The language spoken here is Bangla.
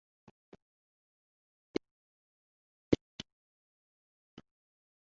এটি একটি প্রাচীন মন্দির।